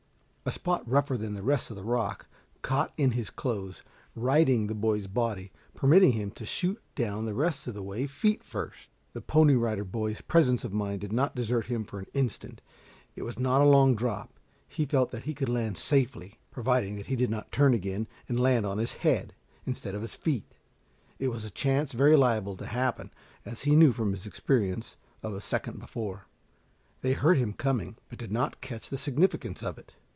A spot rougher than the rest of the rock, caught in his clothes, righting the boy's body, permitting him to shoot down the rest of the way, feet first. The Pony Rider Boy's presence of mind did not desert him for an instant. It was not a long drop. He felt that he would land safely, providing he did not turn again and land on his head instead of his feet. It was a chance very liable to happen, as he knew from his experience of a second before. They heard him coming, but did not catch the significance of it.